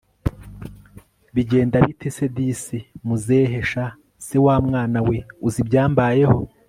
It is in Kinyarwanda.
bigenda bite se disi! muzehe sha se wamwana we! uzi ibyambayeho!